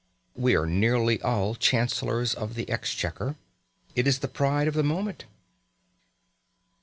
We are nearly all chancellors of the exchequer: it is the pride of the moment.